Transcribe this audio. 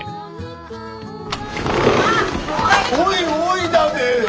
おいおいだべ！